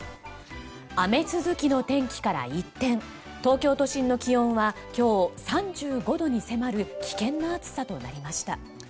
雨続きの天気から一転東京都心の気温は今日、３５度に迫る危険な暑さとなりました。